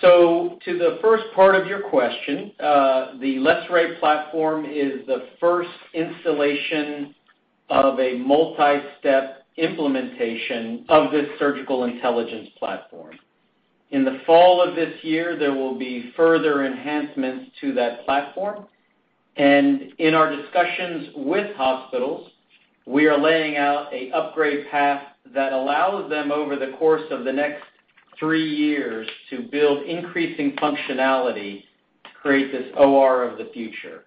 To the first part of your question, the LessRay platform is the first installation of a multi-step implementation of this Surgical Intelligence Platform. In the fall of this year, there will be further enhancements to that platform. In our discussions with hospitals, we are laying out an upgrade path that allows them, over the course of the next three years, to build increasing functionality, create this OR of the future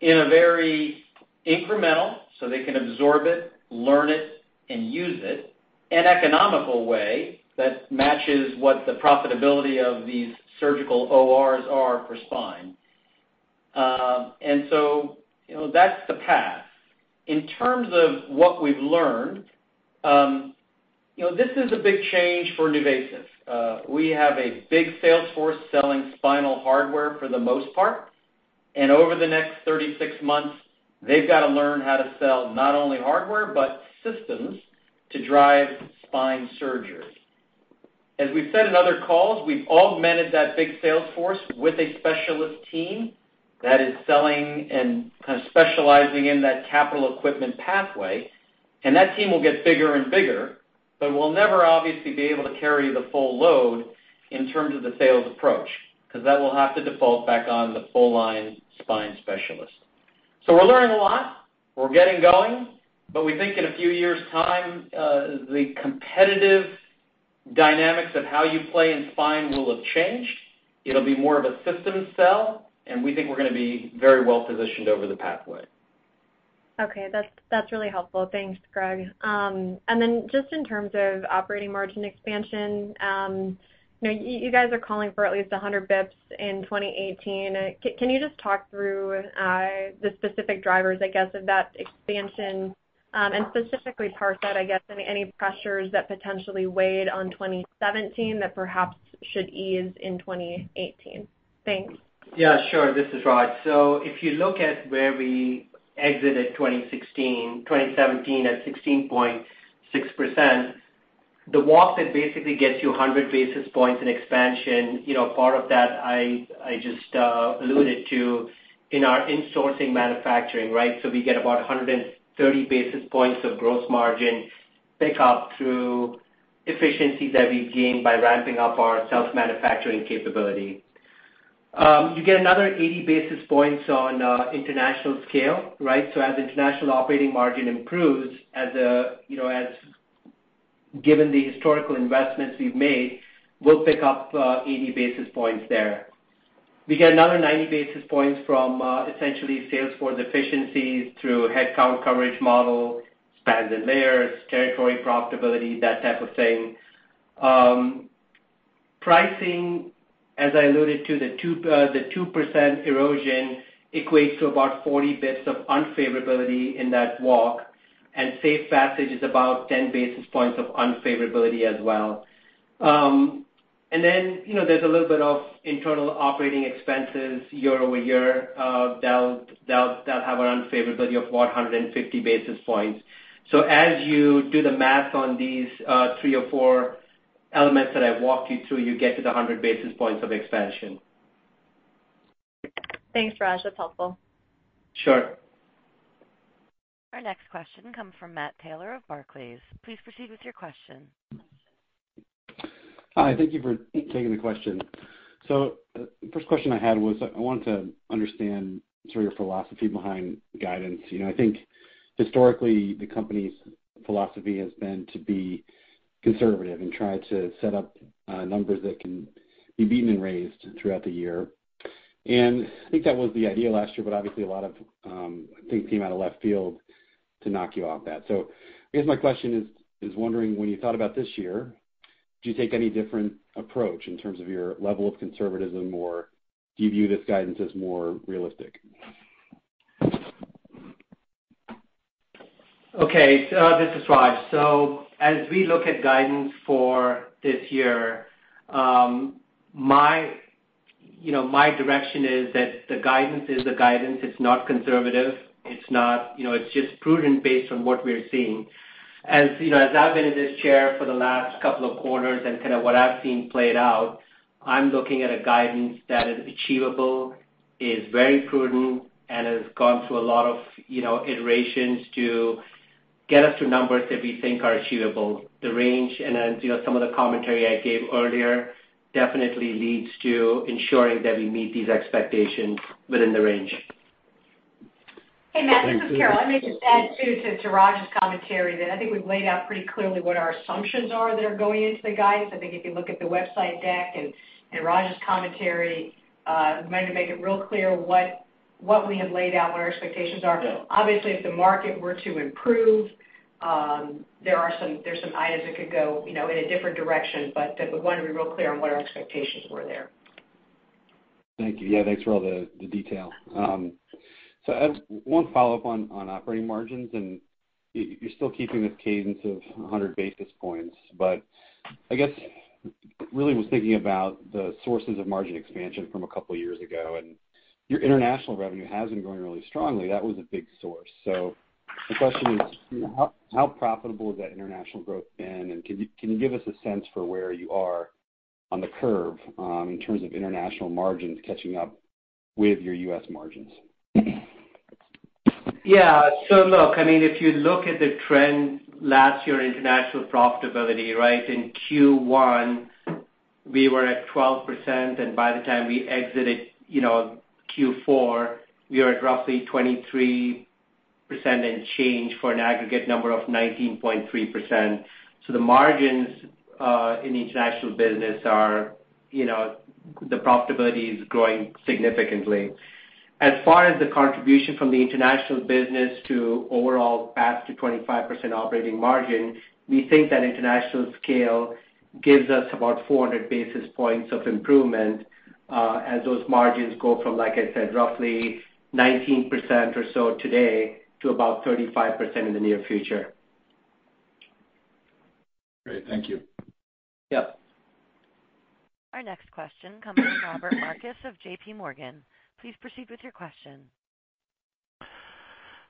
in a very incremental way so they can absorb it, learn it, and use it in an economical way that matches what the profitability of these surgical ORs are for spine. That is the path. In terms of what we've learned, this is a big change for NuVasive. We have a big sales force selling spinal hardware for the most part, and over the next 36 months, they've got to learn how to sell not only hardware but systems to drive spine surgery. As we've said in other calls, we've augmented that big sales force with a specialist team that is selling and kind of specializing in that capital equipment pathway. That team will get bigger and bigger, but we'll never obviously be able to carry the full load in terms of the sales approach because that will have to default back on the full-line spine specialist. We're learning a lot. We're getting going, but we think in a few years' time, the competitive dynamics of how you play in spine will have changed. It'll be more of a system sell, and we think we're going to be very well positioned over the pathway. Okay. That's really helpful. Thanks, Greg. And then just in terms of operating margin expansion, you guys are calling for at least 100 basis points in 2018. Can you just talk through the specific drivers, I guess, of that expansion and specifically parse out, I guess, any pressures that potentially weighed on 2017 that perhaps should ease in 2018? Thanks. Yeah, sure. This is Raj. If you look at where we exited 2017 at 16.6%, the walk that basically gets you 100 basis points in expansion, part of that I just alluded to in our insourcing manufacturing, right? We get about 130 basis points of gross margin pickup through efficiencies that we've gained by ramping up our self-manufacturing capability. You get another 80 basis points on international scale, right? As international operating margin improves, given the historical investments we've made, we'll pick up 80 basis points there. We get another 90 basis points from essentially sales force efficiencies through headcount coverage model, spans and layers, territory profitability, that type of thing. Pricing, as I alluded to, the 2% erosion equates to about 40 basis points of unfavorability in that walk, and SafePassage is about 10 basis points of unfavorability as well. There is a little bit of internal operating expenses year-over-year. They will have an unfavorability of about 150 basis points. As you do the math on these three or four elements that I have walked you through, you get to the 100 basis points of expansion. Thanks, Raj. That's helpful. Sure. Our next question comes from Matt Taylor of Barclays. Please proceed with your question. Hi. Thank you for taking the question. The first question I had was I wanted to understand sort of your philosophy behind guidance. I think historically, the company's philosophy has been to be conservative and try to set up numbers that can be beaten and raised throughout the year. I think that was the idea last year, but obviously, a lot of things came out of left field to knock you off that. I guess my question is wondering, when you thought about this year, did you take any different approach in terms of your level of conservatism, or do you view this guidance as more realistic? Okay. This is Raj. As we look at guidance for this year, my direction is that the guidance is the guidance. It is not conservative. It is just prudent based on what we are seeing. As I have been in this chair for the last couple of quarters and kind of what I have seen played out, I am looking at a guidance that is achievable, is very prudent, and has gone through a lot of iterations to get us to numbers that we think are achievable. The range and some of the commentary I gave earlier definitely leads to ensuring that we meet these expectations within the range. Hey, Matt, this is Carol. I may just add too to Raj's commentary that I think we've laid out pretty clearly what our assumptions are that are going into the guidance. I think if you look at the website deck and Raj's commentary, we wanted to make it real clear what we have laid out, what our expectations are. Obviously, if the market were to improve, there are some items that could go in a different direction, but we wanted to be real clear on what our expectations were there. Thank you. Yeah, thanks for all the detail. I have one follow-up on operating margins, and you're still keeping this cadence of 100 basis points, but I guess I really was thinking about the sources of margin expansion from a couple of years ago, and your international revenue has been growing really strongly. That was a big source. My question is, how profitable has that international growth been? Can you give us a sense for where you are on the curve in terms of international margins catching up with your U.S. margins? Yeah. So look, I mean, if you look at the trend last year, international profitability, right? In Q1, we were at 12%, and by the time we exited Q4, we were at roughly 23% and change for an aggregate number of 19.3%. So the margins in international business are the profitability is growing significantly. As far as the contribution from the international business to overall path to 25% operating margin, we think that international scale gives us about 400 basis points of improvement as those margins go from, like I said, roughly 19% or so today to about 35% in the near future. Great. Thank you. Yeah. Our next question comes from Robert Marcus of JPMorgan. Please proceed with your question.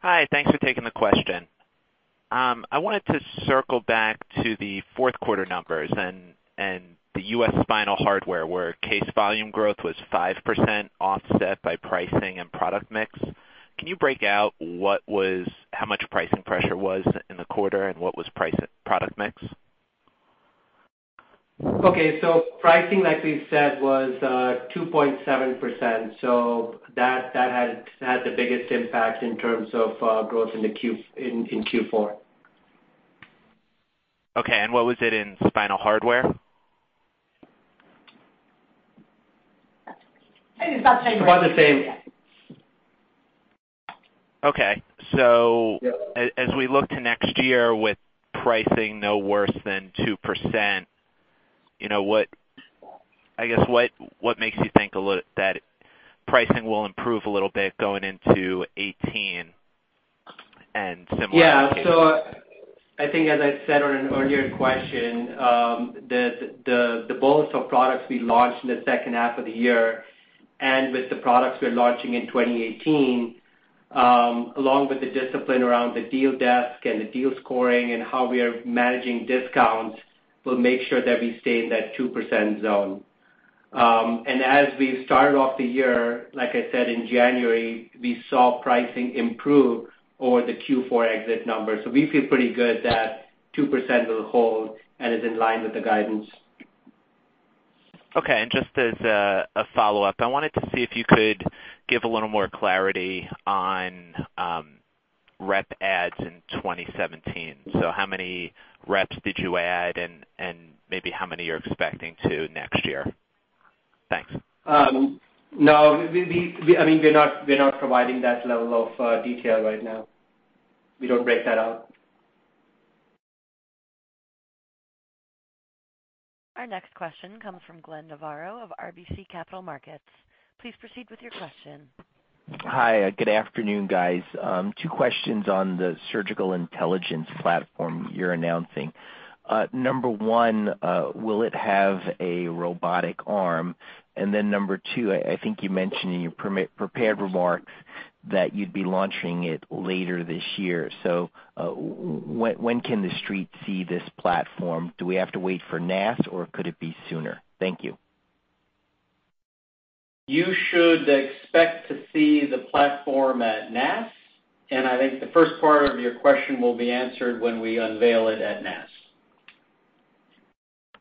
Hi. Thanks for taking the question. I wanted to circle back to the fourth quarter numbers and the U.S. spinal hardware where case volume growth was 5% offset by pricing and product mix. Can you break out how much pricing pressure was in the quarter and what was product mix? Okay. So pricing, like we said, was 2.7%. So that had the biggest impact in terms of growth in Q4. Okay. What was it in spinal hardware? It's about the same. About the same. Okay. As we look to next year with pricing no worse than 2%, I guess what makes you think that pricing will improve a little bit going into 2018 and similar? Yeah. I think, as I said on an earlier question, the bullets of products we launched in the second half of the year and with the products we're launching in 2018, along with the discipline around the deal desk and the deal scoring and how we are managing discounts, will make sure that we stay in that 2% zone. As we've started off the year, like I said, in January, we saw pricing improve over the Q4 exit numbers. We feel pretty good that 2% will hold and is in line with the guidance. Okay. And just as a follow-up, I wanted to see if you could give a little more clarity on rep adds in 2017. So how many reps did you add and maybe how many you're expecting to next year? Thanks. No. I mean, we're not providing that level of detail right now. We don't break that out. Our next question comes from Glenn Navarro of RBC Capital Markets. Please proceed with your question. Hi. Good afternoon, guys. Two questions on the Surgical Intelligence Platform you're announcing. Number one, will it have a robotic arm? Number two, I think you mentioned in your prepared remarks that you'd be launching it later this year. When can the street see this platform? Do we have to wait for NASS, or could it be sooner? Thank you. You should expect to see the platform at NASS, and I think the first part of your question will be answered when we unveil it at NASS.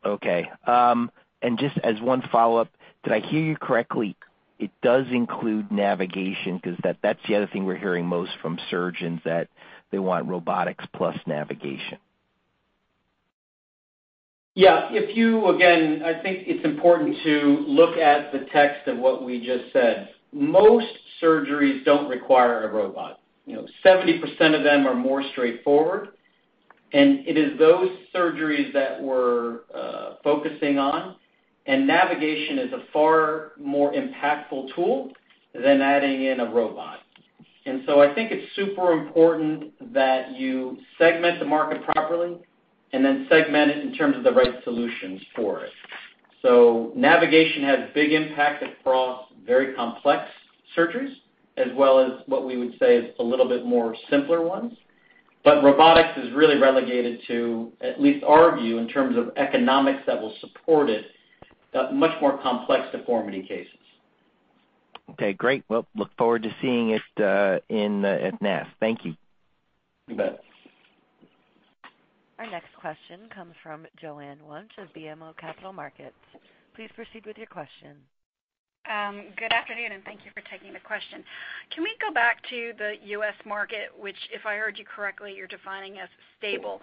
Okay. And just as one follow-up, did I hear you correctly? It does include navigation because that's the other thing we're hearing most from surgeons that they want robotics plus navigation. Yeah. Again, I think it's important to look at the text of what we just said. Most surgeries don't require a robot, 70% of them are more straightforward, and it is those surgeries that we're focusing on, and navigation is a far more impactful tool than adding in a robot. I think it's super important that you segment the market properly and then segment it in terms of the right solutions for it. Navigation has big impact across very complex surgeries as well as what we would say is a little bit more simpler ones. Robotics is really relegated to, at least our view, in terms of economics that will support it, much more complex deformity cases. Okay. Great. I look forward to seeing it at NASS. Thank you. You bet. Our next question comes from Joanne Wuensch of BMO Capital Markets. Please proceed with your question. Good afternoon, and thank you for taking the question. Can we go back to the U.S. market, which, if I heard you correctly, you're defining as stable?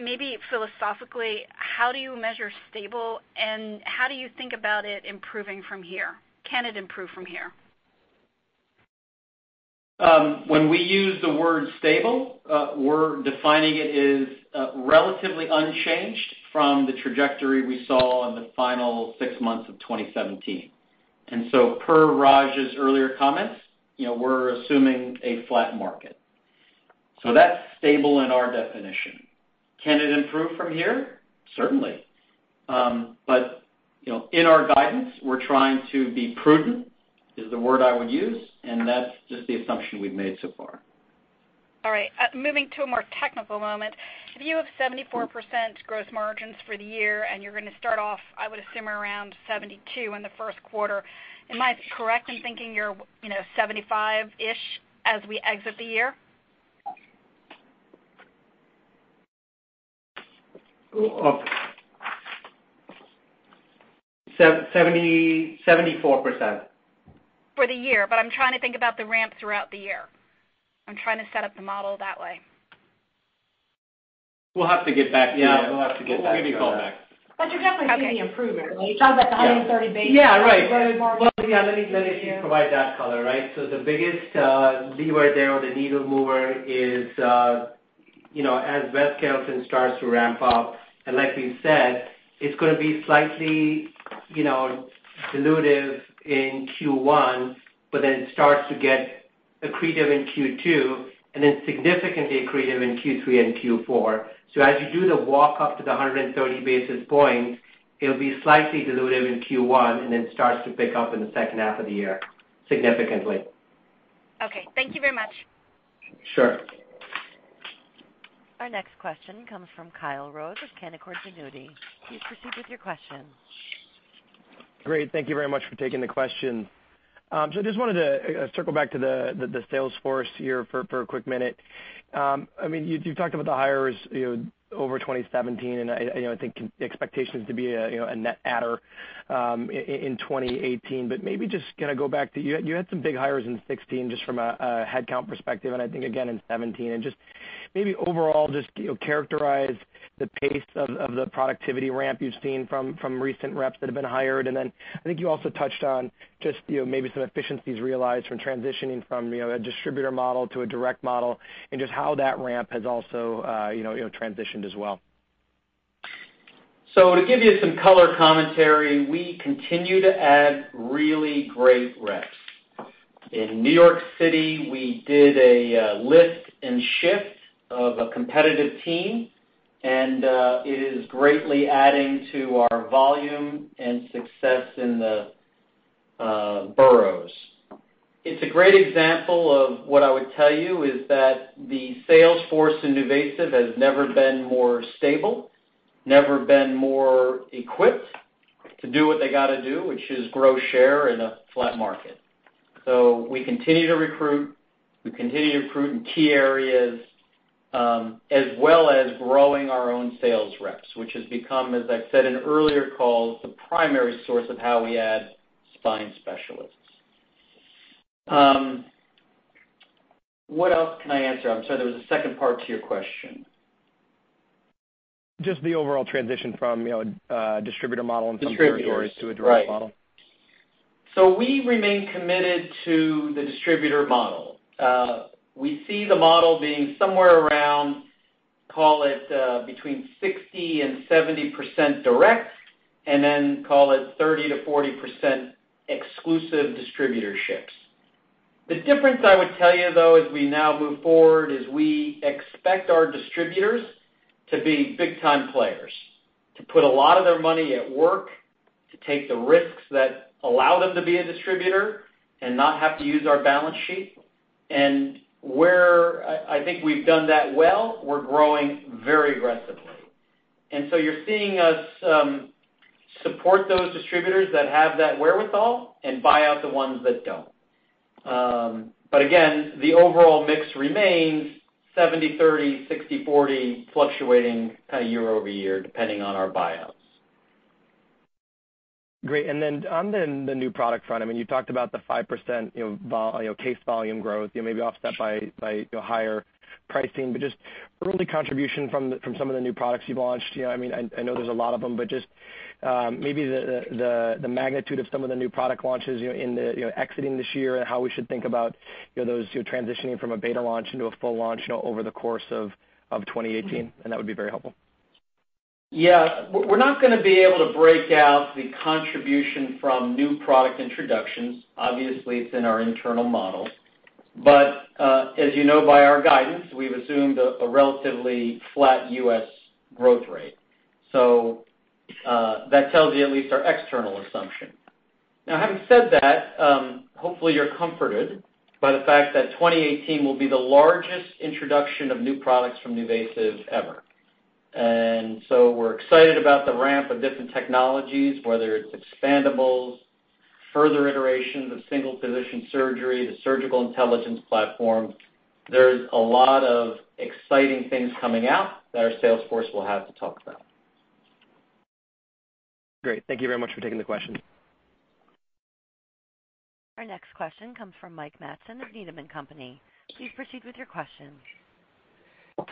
Maybe philosophically, how do you measure stable, and how do you think about it improving from here? Can it improve from here? When we use the word stable, we're defining it as relatively unchanged from the trajectory we saw in the final six months of 2017. And so per Raj's earlier comments, we're assuming a flat market. So that's stable in our definition. Can it improve from here? Certainly. But in our guidance, we're trying to be prudent is the word I would use, and that's just the assumption we've made so far. All right. Moving to a more technical moment. If you have 74% gross margins for the year and you're going to start off, I would assume, around 72% in the first quarter, am I correct in thinking you're 75%-ish as we exit the year? 74%. For the year, but I'm trying to think about the ramp throughout the year. I'm trying to set up the model that way. We'll have to get back to that. Yeah, we'll have to get back to that. We'll give you a call back. You're definitely seeing the improvement, You're talking about the 130 basis points. Yeah. Right. Yeah. Let me see if you can provide that color, right? The biggest lever there on the needle mover is as West Carrollton starts to ramp up. Like we said, it is going to be slightly dilutive in Q1, but then it starts to get accretive in Q2 and then significantly accretive in Q3 and Q4. As you do the walk up to the 130 basis points, it will be slightly dilutive in Q1 and then starts to pick up in the second half of the year significantly. Okay. Thank you very much. Sure. Our next question comes from Kyle Rose of Canaccord Genuity. Please proceed with your question. Great. Thank you very much for taking the question. I just wanted to circle back to the sales force here for a quick minute. I mean, you've talked about the hires over 2017, and I think expectations to be a net adder in 2018, but maybe just kind of go back to you had some big hires in 2016 just from a headcount perspective, and I think again in 2017. Maybe overall, just characterize the pace of the productivity ramp you've seen from recent reps that have been hired. I think you also touched on just maybe some efficiencies realized from transitioning from a distributor model to a direct model and just how that ramp has also transitioned as well. To give you some color commentary, we continue to add really great reps. In New York City, we did a lift and shift of a competitive team, and it is greatly adding to our volume and success in the boroughs. It's a great example of what I would tell you is that the sales force in NuVasive has never been more stable, never been more equipped to do what they got to do, which is grow share in a flat market. We continue to recruit. We continue to recruit in key areas as well as growing our own sales reps, which has become, as I've said in earlier calls, the primary source of how we add spine specialists. What else can I answer? I'm sorry. There was a second part to your question. Just the overall transition from a distributor model in some territories to a direct model. Right. We remain committed to the distributor model. We see the model being somewhere around, call it between 60%-70% direct and then call it 30%-40% exclusive distributorships. The difference I would tell you, though, as we now move forward, is we expect our distributors to be big-time players, to put a lot of their money at work, to take the risks that allow them to be a distributor and not have to use our balance sheet. Where I think we have done that well, we are growing very aggressively. You are seeing us support those distributors that have that wherewithal and buy out the ones that do not. Again, the overall mix remains 70/30, 60/40, fluctuating kind of year-over-year depending on our buyouts. Great. And then on the new product front, I mean, you talked about the 5% case volume growth, maybe offset by higher pricing, but just early contribution from some of the new products you've launched. I mean, I know there's a lot of them, but just maybe the magnitude of some of the new product launches in exiting this year and how we should think about those transitioning from a beta launch into a full launch over the course of 2018. That would be very helpful. Yeah. We're not going to be able to break out the contribution from new product introductions. Obviously, it's in our internal model. But as you know by our guidance, we've assumed a relatively flat U.S. growth rate. That tells you at least our external assumption. Now, having said that, hopefully, you're comforted by the fact that 2018 will be the largest introduction of new products from NuVasive ever. We're excited about the ramp of different technologies, whether it's expandables, further iterations of single-position surgery, the Surgical Intelligence Platform. There's a lot of exciting things coming out that our sales force will have to talk about. Great. Thank you very much for taking the question. Our next question comes from Mike Matson of Needham & Company. Please proceed with your question.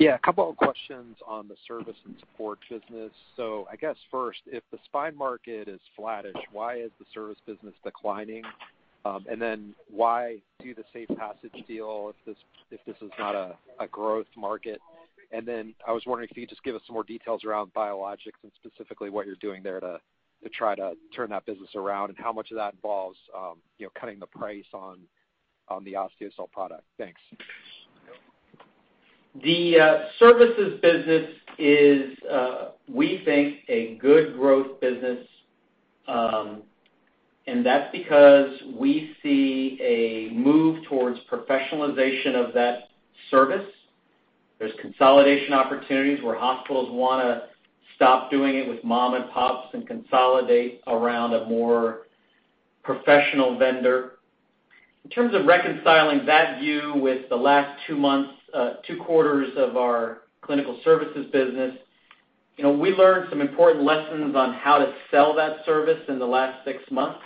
Yeah. A couple of questions on the service and support business. I guess first, if the spine market is flattish, why is the service business declining? Why do the SafePassage deal if this is not a growth market? I was wondering if you could just give us some more details around biologics and specifically what you're doing there to try to turn that business around and how much of that involves cutting the price on the OsteoCel product. Thanks. The services business is, we think, a good growth business, and that's because we see a move towards professionalization of that service. There's consolidation opportunities where hospitals want to stop doing it with mom-and-pops and consolidate around a more professional vendor. In terms of reconciling that view with the last two quarters of our clinical services business, we learned some important lessons on how to sell that service in the last six months.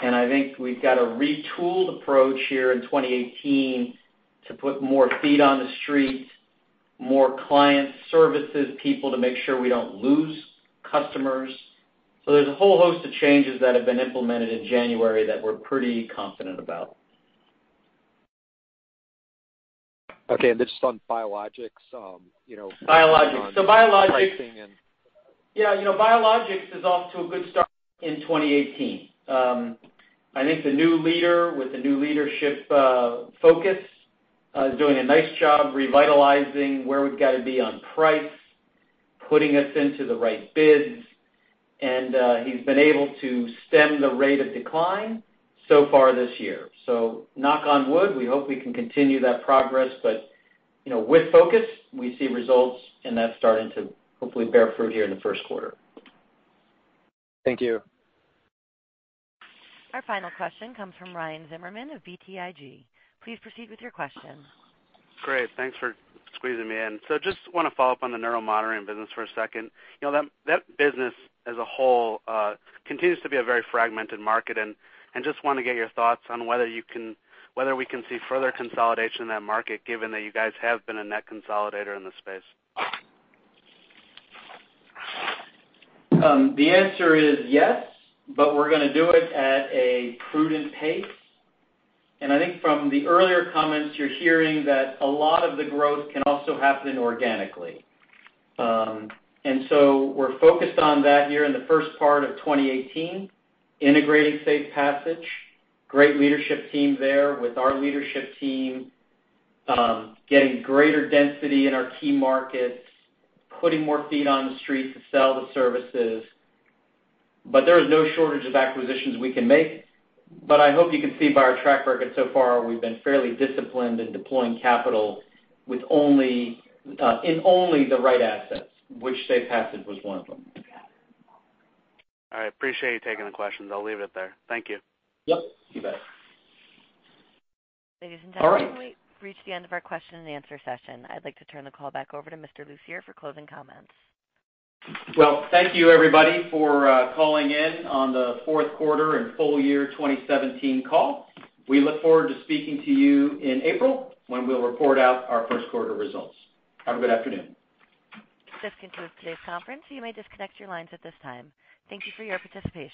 I think we've got a retooled approach here in 2018 to put more feet on the street, more client services people to make sure we don't lose customers. There's a whole host of changes that have been implemented in January that we're pretty confident about. Okay. This is on biologics- Biologics. So biologics- -pricing and. Yeah. Biologics is off to a good start in 2018. I think the new leader with the new leadership focus is doing a nice job revitalizing where we've got to be on price, putting us into the right bids, and he's been able to stem the rate of decline so far this year. Knock on wood, we hope we can continue that progress. With focus, we see results, and that's starting to hopefully bear fruit here in the first quarter. Thank you. Our final question comes from Ryan Zimmerman of BTIG. Please proceed with your question. Great. Thanks for squeezing me in. Just want to follow up on the neuromonitoring business for a second. That business as a whole continues to be a very fragmented market, and just want to get your thoughts on whether we can see further consolidation in that market given that you guys have been a net consolidator in the space. The answer is yes, but we're going to do it at a prudent pace. I think from the earlier comments, you're hearing that a lot of the growth can also happen organically. We are focused on that here in the first part of 2018, integrating SafePassage, great leadership team there with our leadership team, getting greater density in our key markets, putting more feet on the street to sell the services. There is no shortage of acquisitions we can make. I hope you can see by our track record so far we've been fairly disciplined in deploying capital in only the right assets, which SafePassage was one of them. All right. Appreciate you taking the questions. I'll leave it there. Thank you. Yep. You bet. Ladies and gentlemen, we've reached the end of our question and answer session. I'd like to turn the call back over to Mr. Lucier for closing comments. Thank you, everybody, for calling in on the fourth quarter and full year 2017 call. We look forward to speaking to you in April when we will report out our first quarter results. Have a good afternoon. This concludes today's conference. You may disconnect your lines at this time. Thank you for your participation.